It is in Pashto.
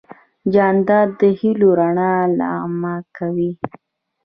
جانداد د هېلو رڼا لمع کوي.